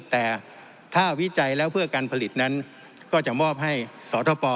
แต่ถ้าวิจัยแล้วเพื่อการผลิตนั้นก็จะมอบให้สอทป